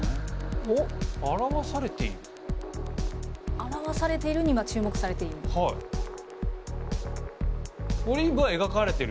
「表されている」に今注目されている？